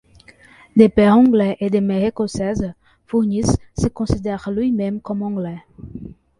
De père anglais et de mère Écossaise, Furniss se considère lui-même comme anglais.